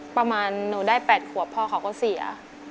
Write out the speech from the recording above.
ประมาณหนูได้๘ขวบพ่อเขาก็เสีย